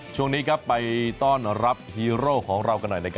ช่วงนี้ไปต้อนรับฮีโร่ของเรากันหน่อย